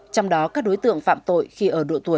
trong đó các đối tượng phạm tội khi ở độ tuổi